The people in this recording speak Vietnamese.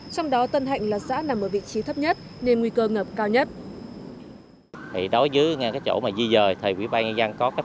trong đó tân hạnh là xã nằm ở vị trí thấp nhất nên nguy cơ ngập cao nhất